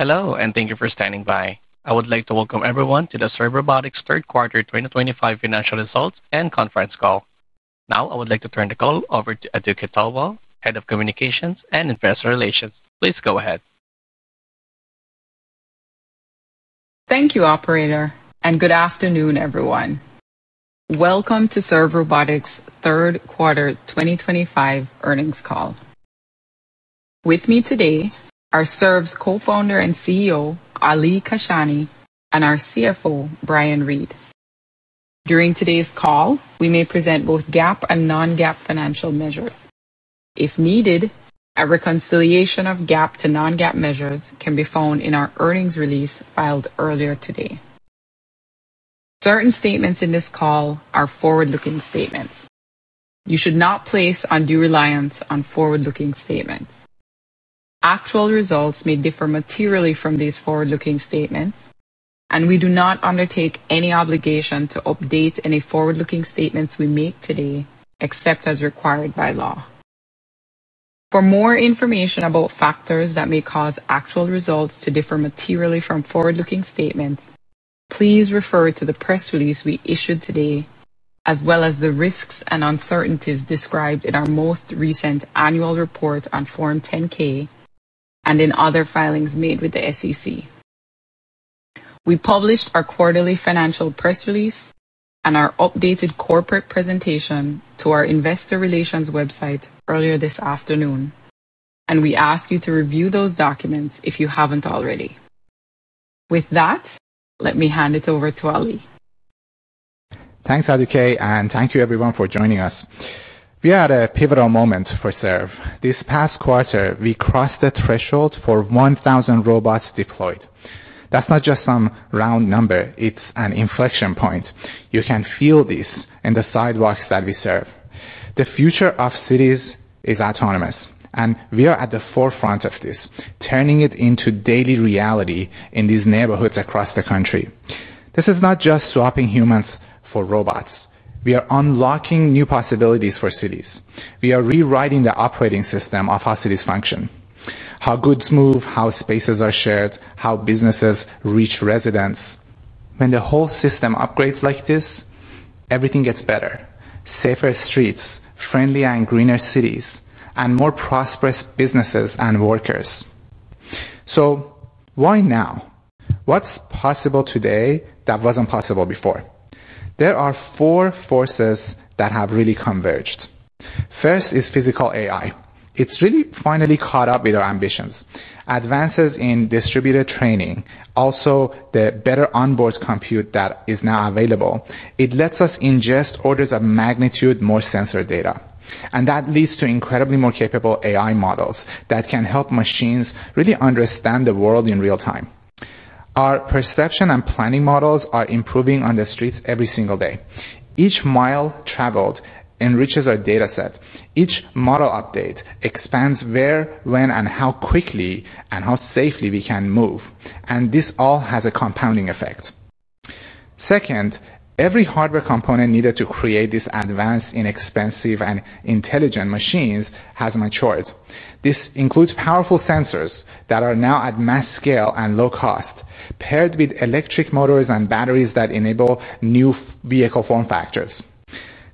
Hello, and thank you for standing by. I would like to welcome everyone to the Serve Robotics Q3 2025 Financial Results and Conference Call. Now, I would like to turn the call over to Aduke Thelwell, Head of Communications and Investor Relations. Please go ahead. Thank you, Operator, and good afternoon, everyone. Welcome to Serve Robotics Q3 2025 Earnings Call. With me today are Serve's Co-Founder and CEO, Ali Kashani, and our CFO, Brian Reed. During today's call, we may present both GAAP and non-GAAP financial measures. If needed, a reconciliation of GAAP to non-GAAP measures can be found in our earnings release filed earlier today. Certain statements in this call are forward-looking statements. You should not place undue reliance on forward-looking statements. Actual results may differ materially from these forward-looking statements, and we do not undertake any obligation to update any forward-looking statements we make today except as required by law. For more information about factors that may cause actual results to differ materially from forward-looking statements, please refer to the press release we issued today, as well as the risks and uncertainties described in our most recent annual report on Form 10-K and in other filings made with the SEC. We published our quarterly financial press release and our updated corporate presentation to our investor relations website earlier this afternoon, and we ask you to review those documents if you haven't already. With that, let me hand it over to Ali. Thanks, Aduke, and thank you, everyone, for joining us. We are at a pivotal moment for Serve. This past quarter, we crossed the threshold for 1,000 robots deployed. That is not just some round number; it is an inflection point. You can feel this in the sidewalks that we serve. The future of cities is autonomous, and we are at the forefront of this, turning it into daily reality in these neighborhoods across the country. This is not just swapping humans for robots. We are unlocking new possibilities for cities. We are rewriting the operating system of how cities function, how goods move, how spaces are shared, how businesses reach residents. When the whole system upgrades like this, everything gets better: safer streets, friendlier and greener cities, and more prosperous businesses and workers. So why now? What is possible today that was not possible before? There are four forces that have really converged. First is physical AI. It's really finally caught up with our ambitions. Advances in distributed training, also the better onboard compute that is now available, it lets us ingest orders of magnitude more sensor data. That leads to incredibly more capable AI models that can help machines really understand the world in real time. Our perception and planning models are improving on the streets every single day. Each mile traveled enriches our data set. Each model update expands where, when, and how quickly and how safely we can move. This all has a compounding effect. Second, every hardware component needed to create these advanced, inexpensive, and intelligent machines has matured. This includes powerful sensors that are now at mass scale and low cost, paired with electric motors and batteries that enable new vehicle form factors.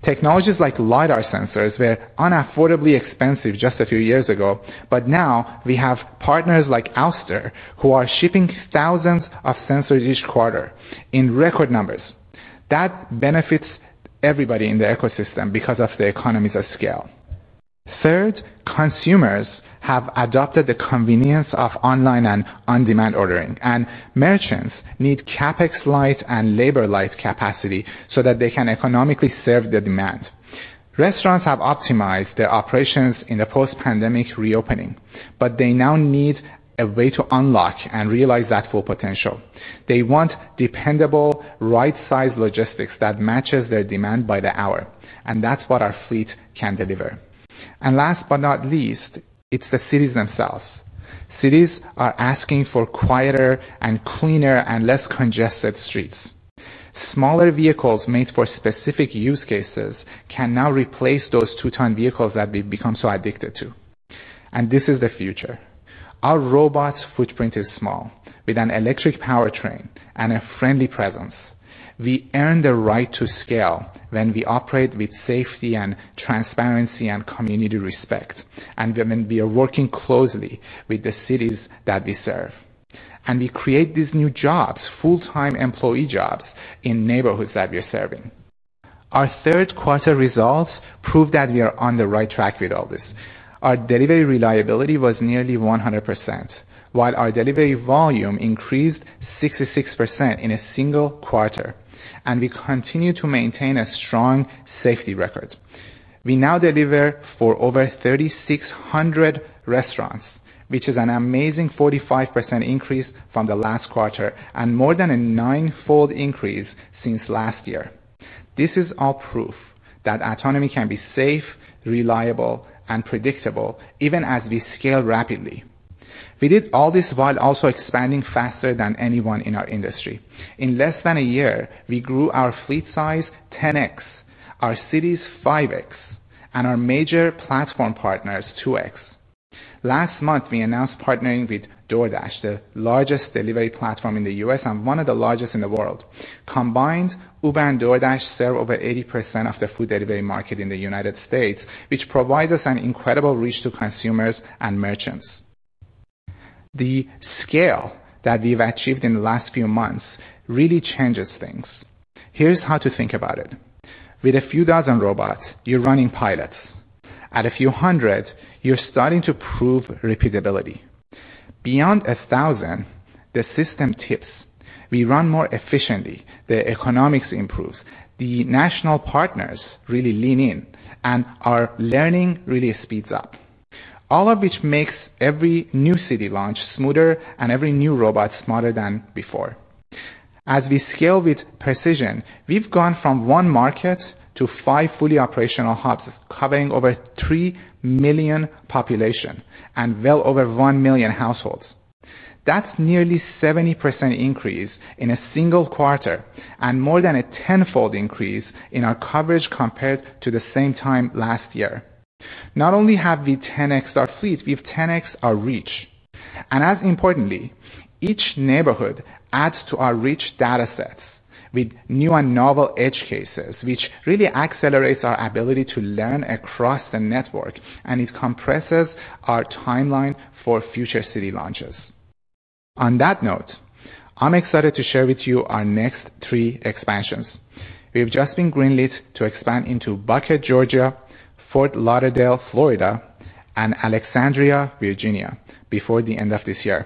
Technologies like LiDAR sensors were unaffordably expensive just a few years ago, but now we have partners like Ouster who are shipping thousands of sensors each quarter in record numbers. That benefits everybody in the ecosystem because of the economies of scale. Third, consumers have adopted the convenience of online and on-demand ordering, and merchants need CapEx-light and labor-light capacity so that they can economically serve the demand. Restaurants have optimized their operations in the post-pandemic reopening, but they now need a way to unlock and realize that full potential. They want dependable, right-sized logistics that match their demand by the hour, and that's what our fleet can deliver. Last but not least, it's the cities themselves. Cities are asking for quieter, cleaner, and less congested streets. Smaller vehicles made for specific use cases can now replace those two-ton vehicles that we've become so addicted to. This is the future. Our robot footprint is small, with an electric powertrain and a friendly presence. We earn the right to scale when we operate with safety and transparency and community respect, and when we are working closely with the cities that we serve. We create these new jobs, full-time employee jobs in neighborhoods that we are serving. Our Q3 results prove that we are on the right track with all this. Our delivery reliability was nearly 100%, while our delivery volume increased 66% in a single quarter, and we continue to maintain a strong safety record. We now deliver for over 3,600 restaurants, which is an amazing 45% increase from the last quarter and more than a nine-fold increase since last year. This is all proof that autonomy can be safe, reliable, and predictable even as we scale rapidly. We did all this while also expanding faster than anyone in our industry. In less than a year, we grew our fleet size 10X, our cities 5X, and our major platform partners 2X. Last month, we announced partnering with DoorDash, the largest delivery platform in the US and one of the largest in the world. Combined, Uber and DoorDash serve over 80% of the food delivery market in the United States, which provides us an incredible reach to consumers and merchants. The scale that we've achieved in the last few months really changes things. Here's how to think about it. With a few dozen robots, you're running pilots. At a few hundred, you're starting to prove repeatability. Beyond 1,000, the system tips. We run more efficiently; the economics improve. The national partners really lean in, and our learning really speeds up, all of which makes every new city launch smoother and every new robot smarter than before. As we scale with precision, we've gone from one market to five fully operational hubs covering over three million populations and well over one million households. That's nearly a 70% increase in a single quarter and more than a tenfold increase in our coverage compared to the same time last year. Not only have we 10X our fleet, we've 10X our reach. And as importantly, each neighborhood adds to our reach data sets with new and novel edge cases, which really accelerates our ability to learn across the network and it compresses our timeline for future city launches. On that note, I'm excited to share with you our next three expansions. We've just been greenlit to expand into Buckhead, Georgia, Fort Lauderdale, Florida, and Alexandria, Virginia, before the end of this year.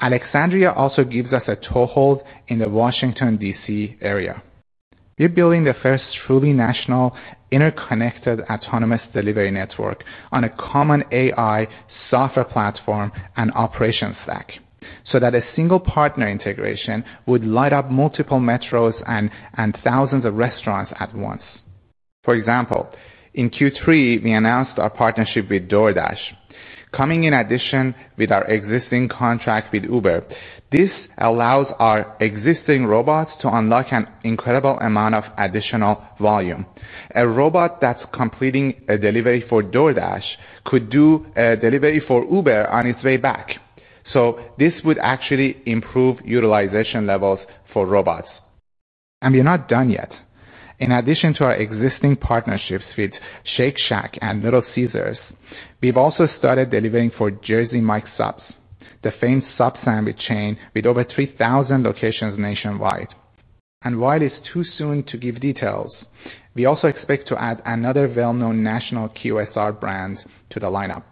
Alexandria also gives us a toehold in the Washington, D.C. area. We're building the first truly national interconnected autonomous delivery network on a common AI software platform and operations stack so that a single partner integration would light up multiple metros and thousands of restaurants at once. For example, in Q3, we announced our partnership with DoorDash. Coming in addition with our existing contract with Uber, this allows our existing robots to unlock an incredible amount of additional volume. A robot that's completing a delivery for DoorDash could do a delivery for Uber on its way back. This would actually improve utilization levels for robots. And we're not done yet. In addition to our existing partnerships with Shake Shack and Little Caesars, we've also started delivering for Jersey Mike's Subs, the famed sub sandwich chain with over 3,000 locations nationwide. While it's too soon to give details, we also expect to add another well-known national QSR brand to the lineup.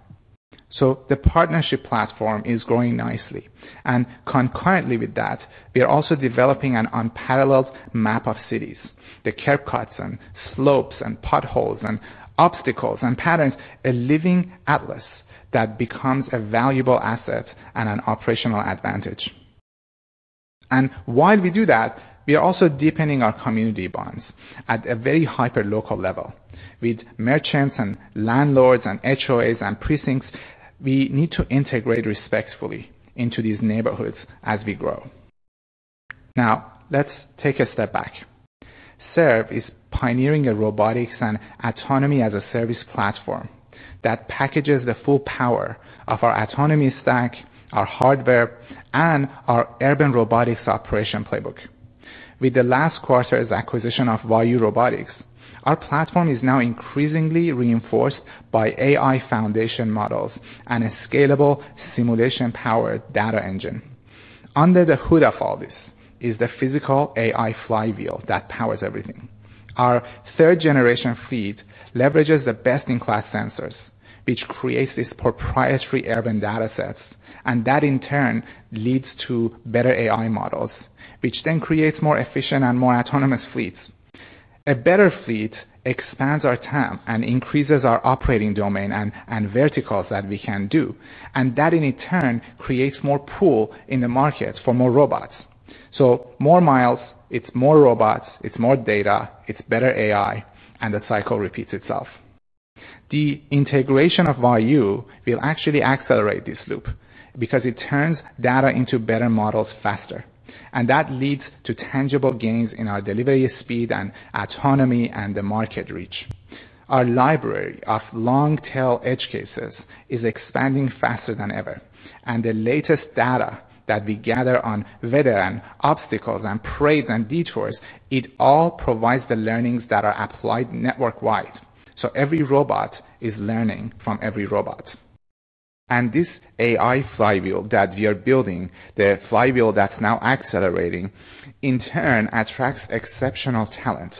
The partnership platform is growing nicely. Concurrently with that, we are also developing an unparalleled map of cities: the Cape Cods, and slopes, and potholes, and obstacles, and patterns, a living atlas that becomes a valuable asset and an operational advantage. While we do that, we are also deepening our community bonds at a very hyper-local level. With merchants and landlords and HOAs and precincts, we need to integrate respectfully into these neighborhoods as we grow. Now, let's take a step back. Serve is pioneering a robotics and autonomy as a service platform that packages the full power of our autonomy stack, our hardware, and our urban robotics operation playbook. With the last quarter's acquisition of Vayu Robotics, our platform is now increasingly reinforced by AI foundation models and a scalable simulation-powered data engine. Under the hood of all this is the physical AI flywheel that powers everything. Our third-generation fleet leverages the best-in-class sensors, which creates these proprietary urban data sets, and that in turn leads to better AI models, which then creates more efficient and more autonomous fleets. A better fleet expands our time and increases our operating domain and verticals that we can do, and that in turn creates more pull in the market for more robots. More miles, it's more robots, it's more data, it's better AI, and the cycle repeats itself. The integration of Vayu will actually accelerate this loop because it turns data into better models faster, and that leads to tangible gains in our delivery speed and autonomy and the market reach. Our library of long-tail edge cases is expanding faster than ever, and the latest data that we gather on weather and obstacles and parades and detours, it all provides the learnings that are applied network-wide. Every robot is learning from every robot. This AI flywheel that we are building, the flywheel that's now accelerating, in turn attracts exceptional talent.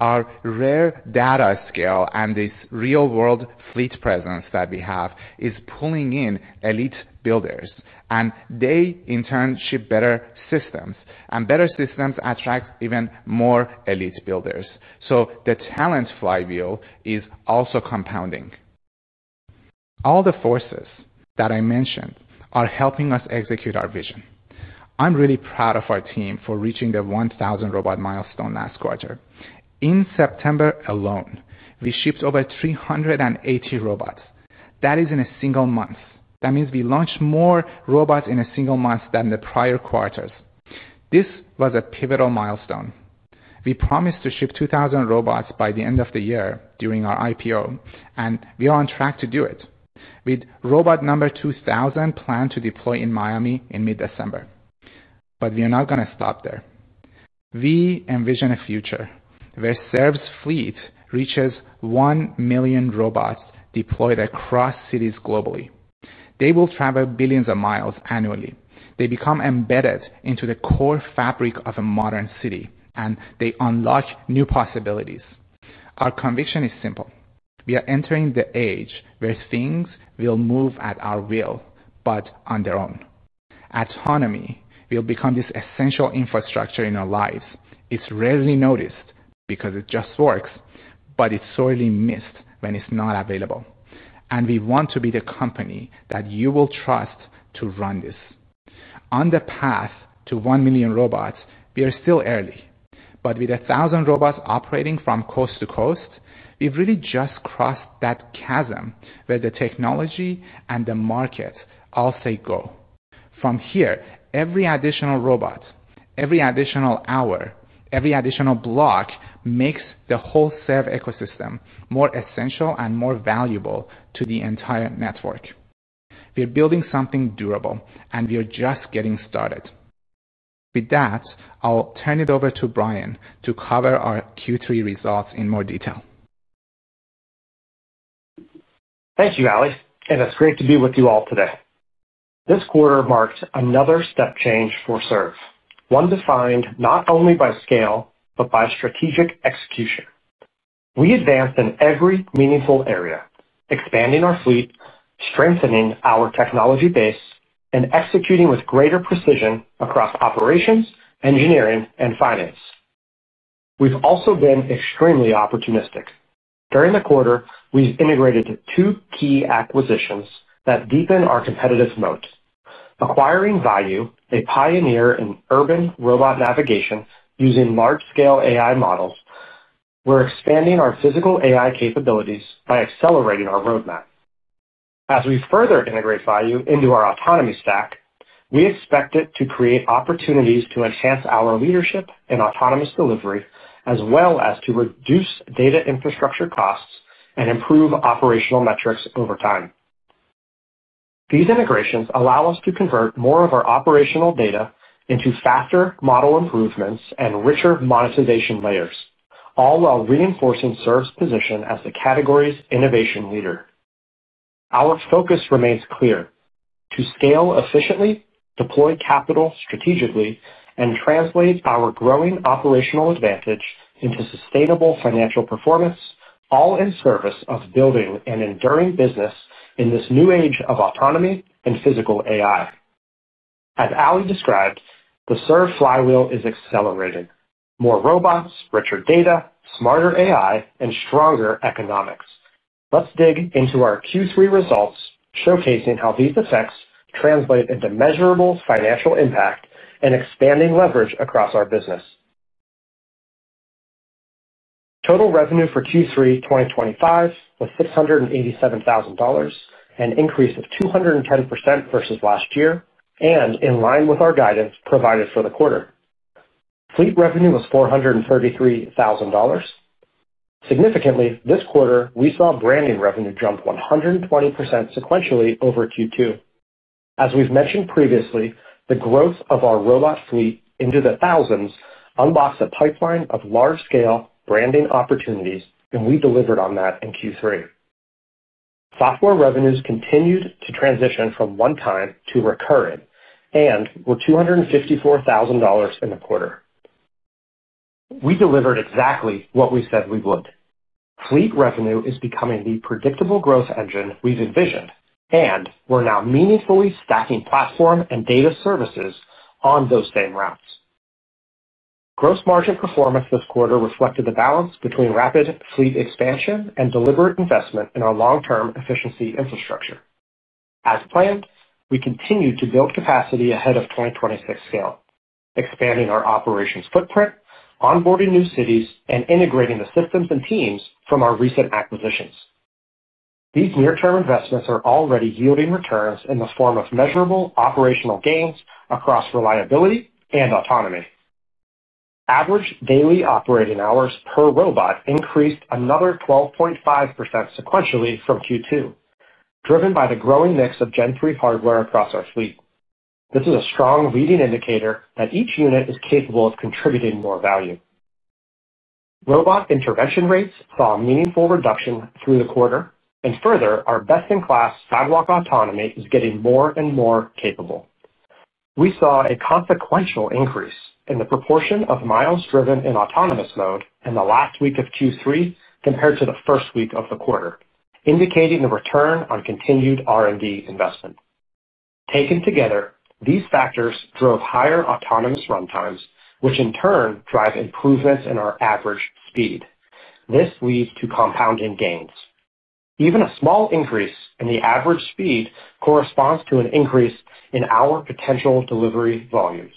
Our rare data scale and this real-world fleet presence that we have is pulling in elite builders, and they in turn ship better systems, and better systems attract even more elite builders. The talent flywheel is also compounding. All the forces that I mentioned are helping us execute our vision. I'm really proud of our team for reaching the 1,000 robot milestone last quarter. In September alone, we shipped over 380 robots. That is in a single month. That means we launched more robots in a single month than the prior quarters. This was a pivotal milestone. We promised to ship 2,000 robots by the end of the year during our IPO, and we are on track to do it with robot number 2,000 planned to deploy in Miami in mid-December. We are not going to stop there. We envision a future where Serve's fleet reaches one million robots deployed across cities globally. They will travel billions of miles annually. They become embedded into the core fabric of a modern city, and they unlock new possibilities. Our conviction is simple. We are entering the age where things will move at our will, but on their own. Autonomy will become this essential infrastructure in our lives. It's rarely noticed because it just works, but it's sorely missed when it's not available. We want to be the company that you will trust to run this. On the path to one million robots, we are still early. With 1,000 robots operating from coast to coast, we've really just crossed that chasm where the technology and the market all say go. From here, every additional robot, every additional hour, every additional block makes the whole Serve ecosystem more essential and more valuable to the entire network. We're building something durable, and we are just getting started. With that, I'll turn it over to Brian to cover our Q3 results in more detail. Thank you, Ali. It's great to be with you all today. This quarter marked another step change for Serve, one defined not only by scale, but by strategic execution. We advanced in every meaningful area, expanding our fleet, strengthening our technology base, and executing with greater precision across operations, engineering, and finance. We've also been extremely opportunistic. During the quarter, we've integrated two key acquisitions that deepen our competitive moat. Acquiring Vayu, a pioneer in urban robot navigation using large-scale AI models, we're expanding our physical AI capabilities by accelerating our roadmap. As we further integrate Vayu into our autonomy stack, we expect it to create opportunities to enhance our leadership and autonomous delivery, as well as to reduce data infrastructure costs and improve operational metrics over time. These integrations allow us to convert more of our operational data into faster model improvements and richer monetization layers, all while reinforcing Serve's position as the category's innovation leader. Our focus remains clear: to scale efficiently, deploy capital strategically, and translate our growing operational advantage into sustainable financial performance, all in service of building an enduring business in this new age of autonomy and physical AI. As Ali described, the Serve flywheel is accelerating: more robots, richer data, smarter AI, and stronger economics. Let's dig into our Q3 results, showcasing how these effects translate into measurable financial impact and expanding leverage across our business. Total revenue for Q3 2025 was $687,000, an increase of 210% versus last year, and in line with our guidance provided for the quarter. Fleet revenue was $433,000. Significantly, this quarter, we saw branding revenue jump 120% sequentially over Q2. As we've mentioned previously, the growth of our robot fleet into the thousands unlocks a pipeline of large-scale branding opportunities, and we delivered on that in Q3. Software revenues continued to transition from one-time to recurring and were $254,000 in the quarter. We delivered exactly what we said we would. Fleet revenue is becoming the predictable growth engine we've envisioned, and we're now meaningfully stacking platform and data services on those same routes. Gross margin performance this quarter reflected the balance between rapid fleet expansion and deliberate investment in our long-term efficiency infrastructure. As planned, we continue to build capacity ahead of 2026 scale, expanding our operations footprint, onboarding new cities, and integrating the systems and teams from our recent acquisitions. These near-term investments are already yielding returns in the form of measurable operational gains across reliability and autonomy. Average daily operating hours per robot increased another 12.5% sequentially from Q2, driven by the growing mix of Gen 3 hardware across our fleet. This is a strong leading indicator that each unit is capable of contributing more value. Robot intervention rates saw a meaningful reduction through the quarter, and further, our best-in-class sidewalk autonomy is getting more and more capable. We saw a consequential increase in the proportion of miles driven in autonomous mode in the last week of Q3 compared to the first week of the quarter, indicating the return on continued R&D investment. Taken together, these factors drove higher autonomous runtimes, which in turn drive improvements in our average speed. This leads to compounding gains. Even a small increase in the average speed corresponds to an increase in our potential delivery volumes.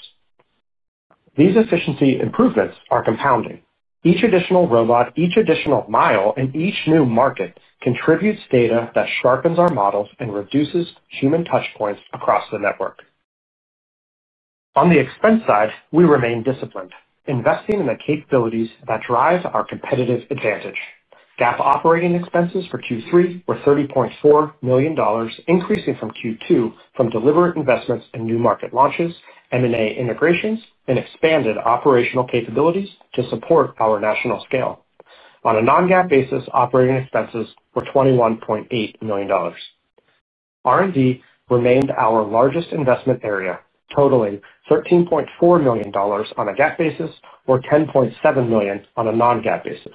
These efficiency improvements are compounding. Each additional robot, each additional mile, and each new market contributes data that sharpens our models and reduces human touchpoints across the network. On the expense side, we remain disciplined, investing in the capabilities that drive our competitive advantage. GAAP operating expenses for Q3 were $30.4 million, increasing from Q2 from deliberate investments in new market launches, M&A integrations, and expanded operational capabilities to support our national scale. On a non-GAAP basis, operating expenses were $21.8 million. R&D remained our largest investment area, totaling $13.4 million on a GAAP basis or $10.7 million on a non-GAAP basis,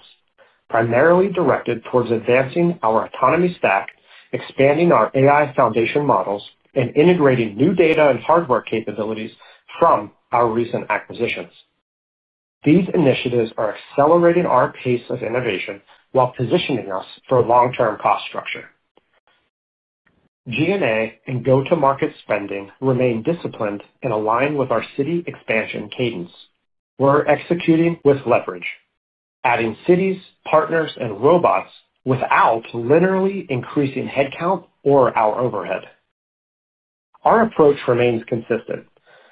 primarily directed towards advancing our autonomy stack, expanding our AI foundation models, and integrating new data and hardware capabilities from our recent acquisitions. These initiatives are accelerating our pace of innovation while positioning us for a long-term cost structure. G&A and go-to-market spending remain disciplined and aligned with our city expansion cadence. We're executing with leverage, adding cities, partners, and robots without linearly increasing headcount or our overhead. Our approach remains consistent: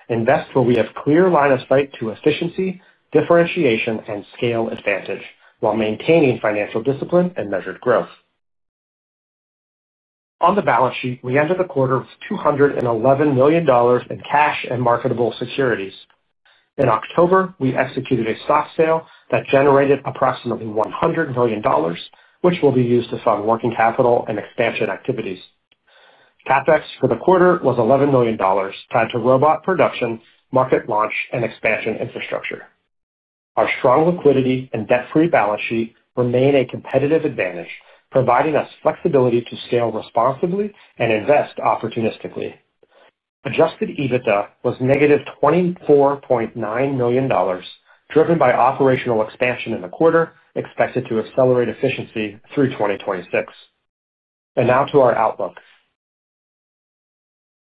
invest where we have a clear line of sight to efficiency, differentiation, and scale advantage while maintaining financial discipline and measured growth. On the balance sheet, we entered the quarter with $211 million in cash and marketable securities. In October, we executed a stock sale that generated approximately $100 million, which will be used to fund working capital and expansion activities. CapEx for the quarter was $11 million tied to robot production, market launch, and expansion infrastructure. Our strong liquidity and debt-free balance sheet remain a competitive advantage, providing us flexibility to scale responsibly and invest opportunistically. Adjusted EBITDA was negative $24.9 million, driven by operational expansion in the quarter expected to accelerate efficiency through 2026. Now to our outlook.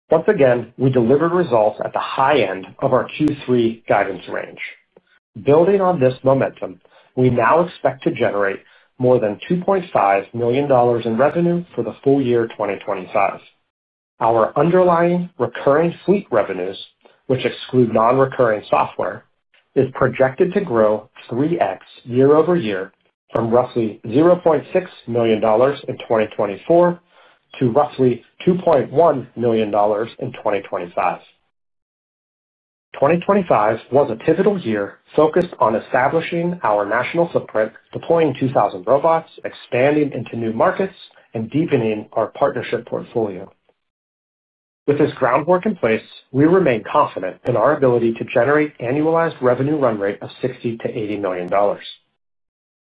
Once again, we delivered results at the high end of our Q3 guidance range. Building on this momentum, we now expect to generate more than $2.5 million in revenue for the full year 2025. Our underlying recurring fleet revenues, which exclude non-recurring software, are projected to grow 3x year over year from roughly $0.6 million in 2024 to roughly $2.1 million in 2025. 2025 was a pivotal year focused on establishing our national footprint, deploying 2,000 robots, expanding into new markets, and deepening our partnership portfolio. With this groundwork in place, we remain confident in our ability to generate annualized revenue run rate of $60-$80 million.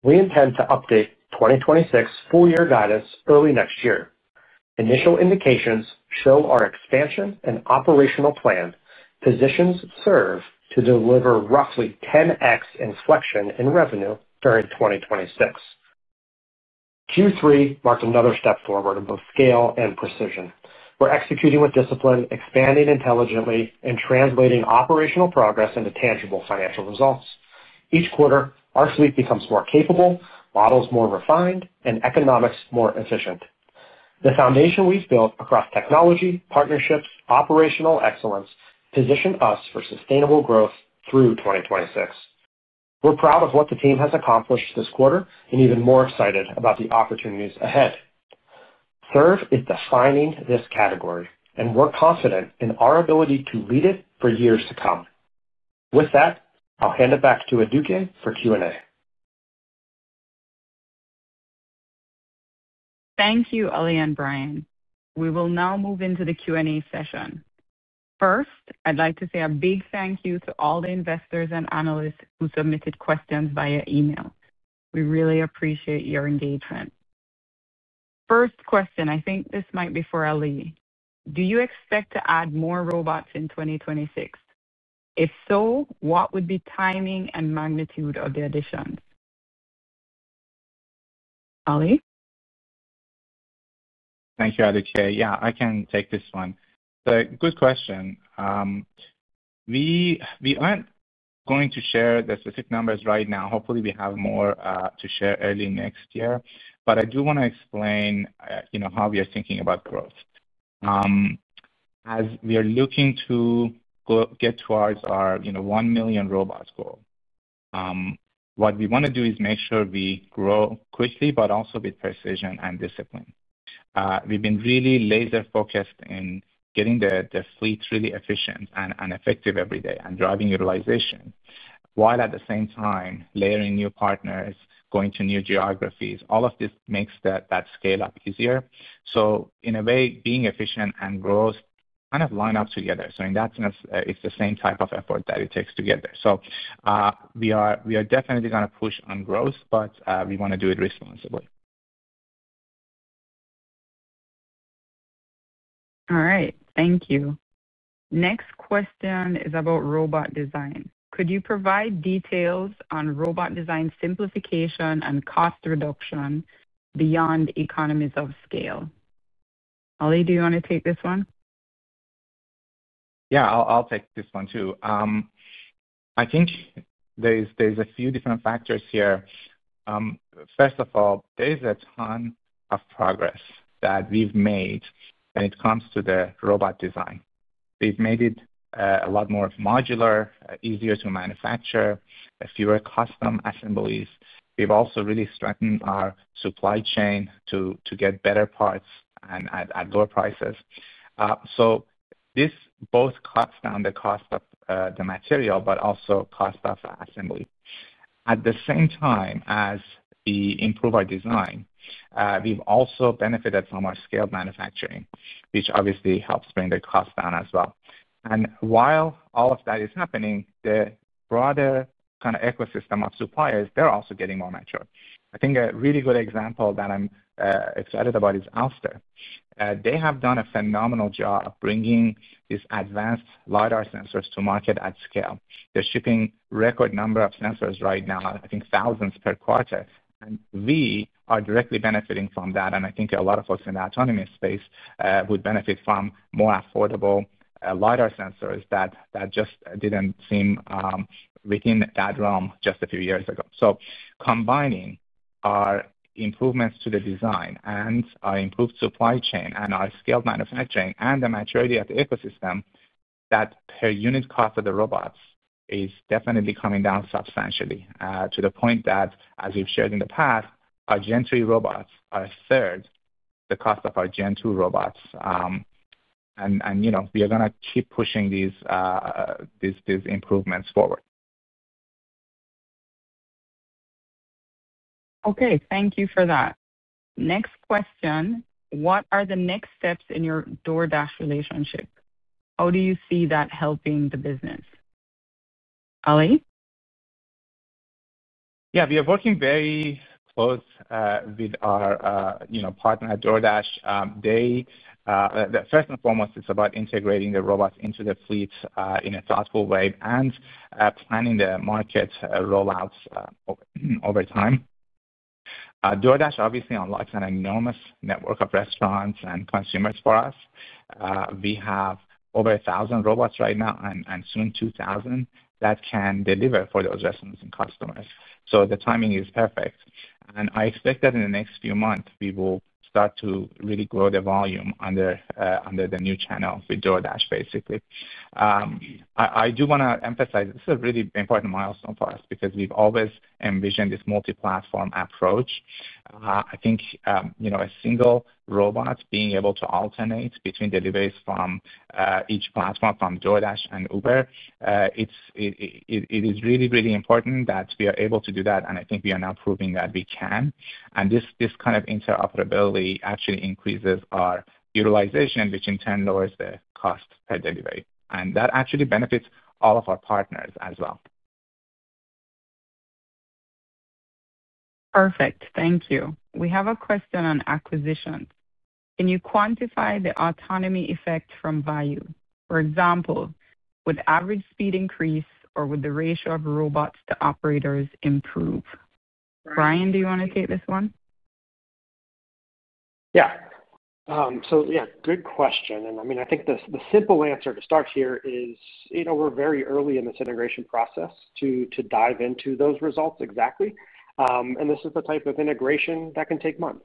We intend to update 2026 full-year guidance early next year. Initial indications show our expansion and operational plan positions Serve to deliver roughly 10x inflection in revenue during 2026. Q3 marked another step forward in both scale and precision. We're executing with discipline, expanding intelligently, and translating operational progress into tangible financial results. Each quarter, our fleet becomes more capable, models more refined, and economics more efficient. The foundation we've built across technology, partnerships, and operational excellence positions us for sustainable growth through 2026. We're proud of what the team has accomplished this quarter and even more excited about the opportunities ahead. Serve is defining this category, and we're confident in our ability to lead it for years to come. With that, I'll hand it back to Aduke for Q&A. Thank you, Ali and Brian. We will now move into the Q&A session. First, I'd like to say a big thank you to all the investors and analysts who submitted questions via email. We really appreciate your engagement. First question, I think this might be for Ali. Do you expect to add more robots in 2026? If so, what would be the timing and magnitude of the additions? Ali? Thank you, Aduke. Yeah, I can take this one. Good question. We aren't going to share the specific numbers right now. Hopefully, we have more to share early next year. I do want to explain how we are thinking about growth. As we are looking to get towards our one million robots goal, what we want to do is make sure we grow quickly, but also with precision and discipline. We've been really laser-focused in getting the fleet really efficient and effective every day and driving utilization, while at the same time layering new partners, going to new geographies. All of this makes that scale-up easier. In a way, being efficient and growth kind of line up together. In that sense, it's the same type of effort that it takes together. We are definitely going to push on growth, but we want to do it responsibly. All right. Thank you. Next question is about robot design. Could you provide details on robot design simplification and cost reduction beyond economies of scale? Ali, do you want to take this one? Yeah, I'll take this one too. I think there's a few different factors here. First of all, there's a ton of progress that we've made when it comes to the robot design. We've made it a lot more modular, easier to manufacture, fewer custom assemblies. We've also really strengthened our supply chain to get better parts and at lower prices. This both cuts down the cost of the material, but also cost of assembly. At the same time as we improve our design, we've also benefited from our scaled manufacturing, which obviously helps bring the cost down as well. While all of that is happening, the broader kind of ecosystem of suppliers, they're also getting more mature. I think a really good example that I'm excited about is Ouster. They have done a phenomenal job of bringing these advanced LiDAR sensors to market at scale. They're shipping a record number of sensors right now, I think thousands per quarter. We are directly benefiting from that. I think a lot of folks in the autonomy space would benefit from more affordable LiDAR sensors that just didn't seem within that realm just a few years ago. Combining our improvements to the design and our improved supply chain and our scaled manufacturing and the maturity of the ecosystem, that per unit cost of the robots is definitely coming down substantially to the point that, as we've shared in the past, our Gen 3 robots are a third the cost of our Gen 2 robots. We are going to keep pushing these improvements forward. Okay. Thank you for that. Next question. What are the next steps in your DoorDash relationship? How do you see that helping the business? Ali? Yeah, we are working very close with our partner at DoorDash. First and foremost, it's about integrating the robots into the fleet in a thoughtful way and planning the market rollouts over time. DoorDash obviously unlocks an enormous network of restaurants and consumers for us. We have over 1,000 robots right now and soon 2,000 that can deliver for those restaurants and customers. The timing is perfect. I expect that in the next few months, we will start to really grow the volume under the new channel with DoorDash, basically. I do want to emphasize this is a really important milestone for us because we've always envisioned this multi-platform approach. I think a single robot being able to alternate between deliveries from each platform, from DoorDash and Uber, it is really, really important that we are able to do that. I think we are now proving that we can. This kind of interoperability actually increases our utilization, which in turn lowers the cost per delivery. That actually benefits all of our partners as well. Perfect. Thank you. We have a question on acquisitions. Can you quantify the autonomy effect from Vayu? For example, would average speed increase or would the ratio of robots to operators improve? Brian, do you want to take this one? Yeah. Good question. I mean, I think the simple answer to start here is we're very early in this integration process to dive into those results exactly. This is the type of integration that can take months.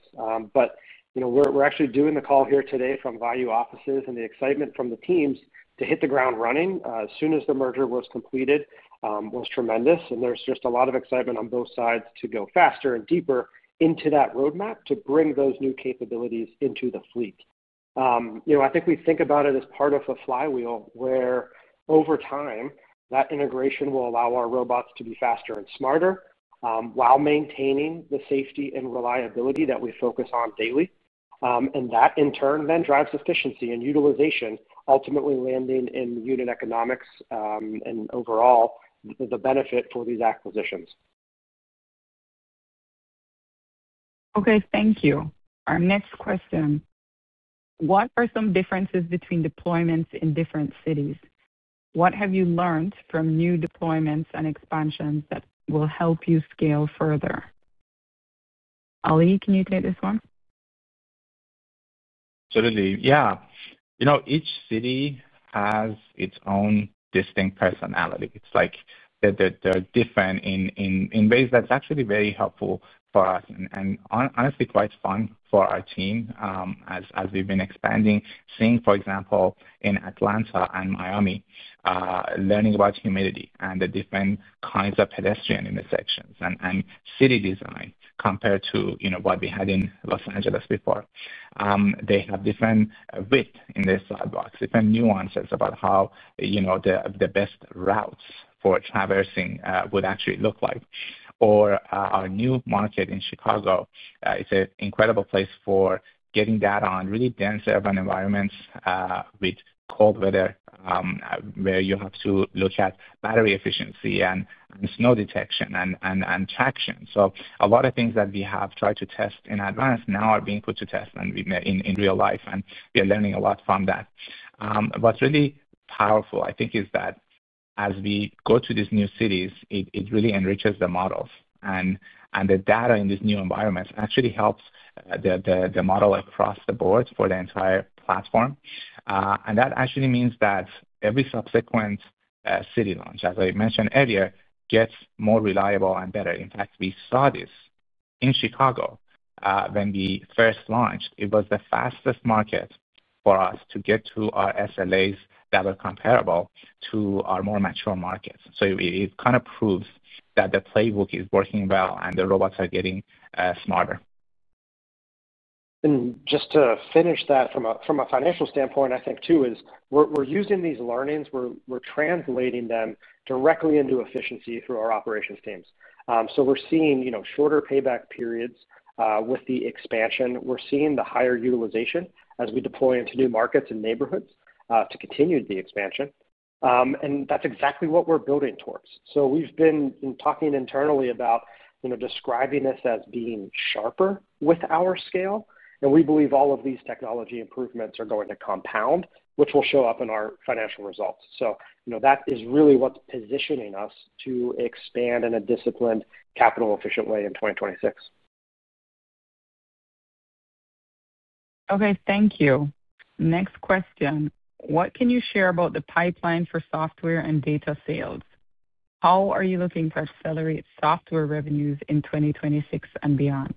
We're actually doing the call here today from Vayu offices and the excitement from the teams to hit the ground running as soon as the merger was completed was tremendous. There's just a lot of excitement on both sides to go faster and deeper into that roadmap to bring those new capabilities into the fleet. I think we think about it as part of a flywheel where over time, that integration will allow our robots to be faster and smarter while maintaining the safety and reliability that we focus on daily. That in turn then drives efficiency and utilization, ultimately landing in unit economics and overall the benefit for these acquisitions. Okay. Thank you. Our next question. What are some differences between deployments in different cities? What have you learned from new deployments and expansions that will help you scale further? Ali, can you take this one? Absolutely. Yeah. Each city has its own distinct personality. It's like they're different in ways that's actually very helpful for us and honestly quite fun for our team as we've been expanding, seeing, for example, in Atlanta and Miami, learning about humidity and the different kinds of pedestrian intersections and city design compared to what we had in Los Angeles before. They have different width in their sidewalks, different nuances about how the best routes for traversing would actually look like. Our new market in Chicago is an incredible place for getting data on really dense urban environments with cold weather where you have to look at battery efficiency and snow detection and traction. A lot of things that we have tried to test in advance now are being put to test in real life. We are learning a lot from that. What's really powerful, I think, is that as we go to these new cities, it really enriches the models. The data in these new environments actually helps the model across the board for the entire platform. That actually means that every subsequent city launch, as I mentioned earlier, gets more reliable and better. In fact, we saw this in Chicago when we first launched. It was the fastest market for us to get to our SLAs that were comparable to our more mature markets. It kind of proves that the playbook is working well and the robots are getting smarter. Just to finish that from a financial standpoint, I think too is we're using these learnings. We're translating them directly into efficiency through our operations teams. We're seeing shorter payback periods with the expansion. We're seeing the higher utilization as we deploy into new markets and neighborhoods to continue the expansion. That's exactly what we're building towards. We've been talking internally about describing this as being sharper with our scale. We believe all of these technology improvements are going to compound, which will show up in our financial results. That is really what's positioning us to expand in a disciplined, capital-efficient way in 2026. Okay. Thank you. Next question. What can you share about the pipeline for software and data sales? How are you looking to accelerate software revenues in 2026 and beyond?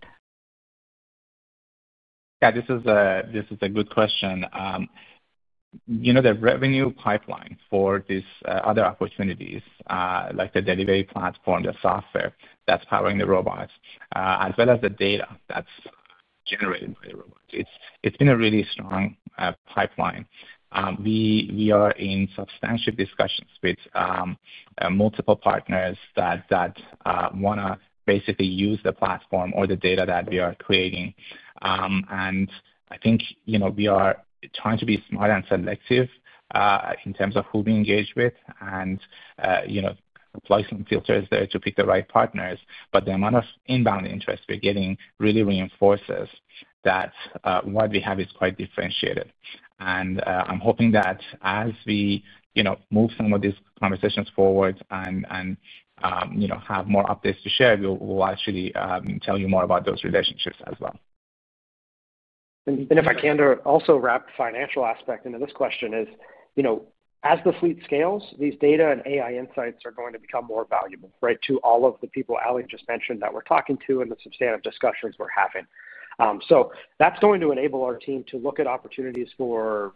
Yeah, this is a good question. The revenue pipeline for these other opportunities, like the delivery platform, the software that's powering the robots, as well as the data that's generated by the robots, it's been a really strong pipeline. We are in substantial discussions with multiple partners that want to basically use the platform or the data that we are creating. I think we are trying to be smart and selective in terms of who we engage with and apply some filters there to pick the right partners. The amount of inbound interest we're getting really reinforces that what we have is quite differentiated. I'm hoping that as we move some of these conversations forward and have more updates to share, we'll actually tell you more about those relationships as well. If I can also wrap the financial aspect into this question, as the fleet scales, these data and AI insights are going to become more valuable, right, to all of the people Ali just mentioned that we're talking to and the substantive discussions we're having. That's going to enable our team to look at opportunities for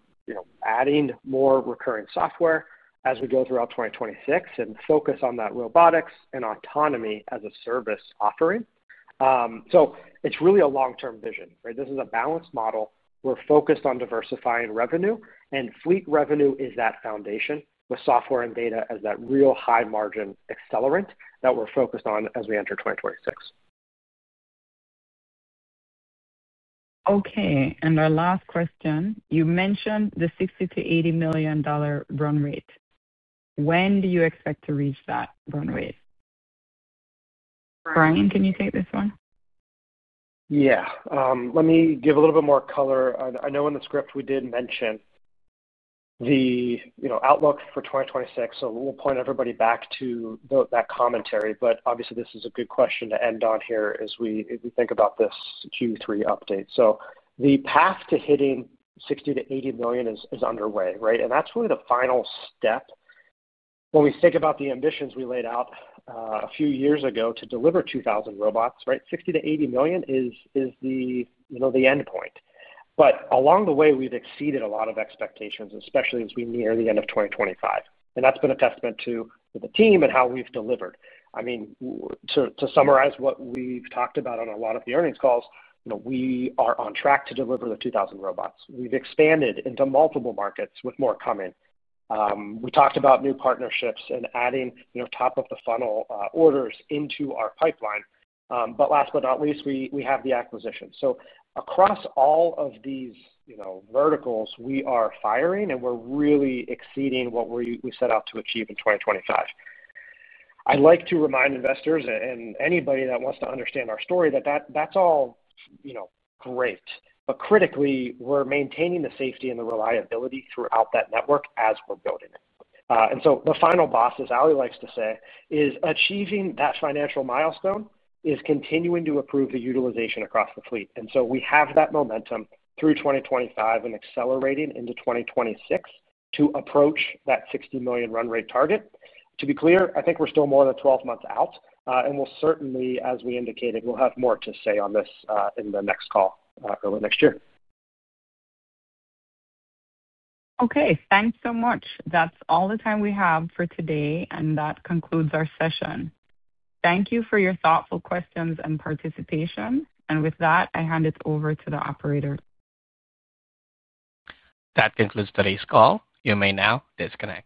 adding more recurring software as we go throughout 2026 and focus on that robotics and autonomy as a service offering. It's really a long-term vision, right? This is a balanced model. We're focused on diversifying revenue. Fleet revenue is that foundation with software and data as that real high-margin accelerant that we're focused on as we enter 2026. Okay. Our last question. You mentioned the $60 million-$80 million run rate. When do you expect to reach that run rate? Brian, can you take this one? Yeah. Let me give a little bit more color. I know in the script we did mention the outlook for 2026. We'll point everybody back to that commentary. Obviously, this is a good question to end on here as we think about this Q3 update. The path to hitting $60 million-$80 million is underway, right? That is really the final step. When we think about the ambitions we laid out a few years ago to deliver 2,000 robots, right, $60 million-$80 million is the endpoint. Along the way, we've exceeded a lot of expectations, especially as we near the end of 2025. That has been a testament to the team and how we've delivered. I mean, to summarize what we've talked about on a lot of the earnings calls, we are on track to deliver the 2,000 robots. We've expanded into multiple markets with more coming. We talked about new partnerships and adding top-of-the-funnel orders into our pipeline. Last but not least, we have the acquisition. Across all of these verticals, we are firing and we're really exceeding what we set out to achieve in 2025. I'd like to remind investors and anybody that wants to understand our story that that's all great. But critically, we're maintaining the safety and the reliability throughout that network as we're building it. The final boss, as Ali likes to say, is achieving that financial milestone, is continuing to improve the utilization across the fleet. We have that momentum through 2025 and accelerating into 2026 to approach that $60 million run rate target. To be clear, I think we're still more than 12 months out. We'll certainly, as we indicated, have more to say on this in the next call early next year. Okay. Thanks so much. That's all the time we have for today. That concludes our session. Thank you for your thoughtful questions and participation. With that, I hand it over to the operator. That concludes today's call. You may now disconnect.